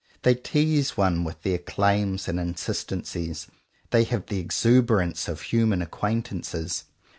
They tease one with their claims and insistencies. They have the exuberance of human acquaintances.